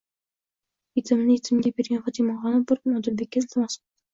Yetimini yetimga bergan Fotimaxonim bir kun Odilbekka iltimos qildi